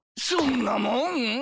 そんなもん！？